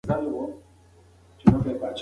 زيار او کوښښ پکار دی.